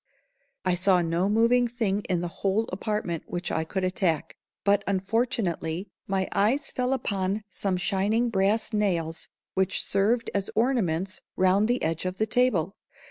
I saw no moving thing in the whole apartment which I could attack, but unfortunately my eyes fell upon some shining brass nails which served as ornaments round the edge of a table.